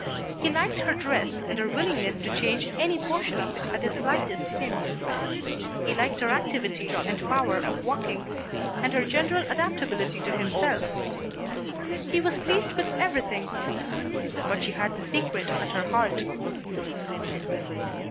He liked her dress and her willingness to change any portion of it at his slightest hint. He liked her activity and power of walking, and her general adaptability to himself. He was pleased with everything. But she had the secret at her heart.